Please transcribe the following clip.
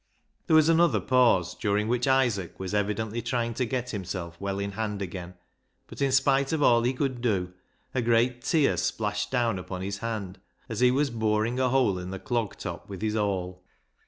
There was another pause, during which Isaac was evidently trying to get himself well in hand again, but in spite of all he could do a great tear splashed down upon his hand as he was boring a hole in the clog top with his awl.